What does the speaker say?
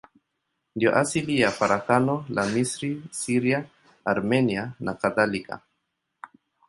Ndiyo asili ya farakano la Misri, Syria, Armenia nakadhalika.